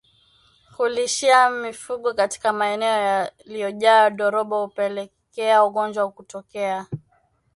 Kulishia mifugo katika maeneo yaliyojaa ndorobo hupelekea ugonjwa kutokea